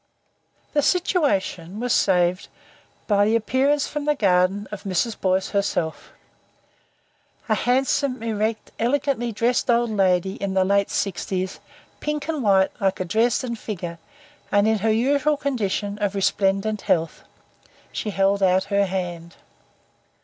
The situation was saved by the appearance from the garden of Mrs. Boyce herself, a handsome, erect, elegantly dressed old lady in the late sixties, pink and white like a Dresden figure and in her usual condition of resplendent health. She held out her hand.